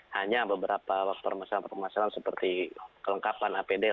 hanya beberapa masalah masalah seperti kelengkapan apd